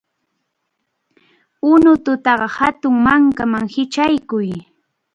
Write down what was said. Unutaqa hatun mankaman hichʼaykuy.